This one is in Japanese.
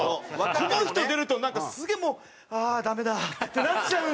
この人出るとなんかすげえもうああダメだってなっちゃうんですよ